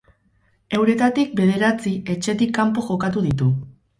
Euretatik bederatzi etxetik kanpo jokatu ditu.